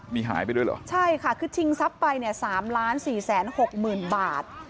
มีหายไปด้วยเหรอใช่ค่ะคือชิงทรัพย์ไปเนี่ย๓๔๖๐๐๐บาท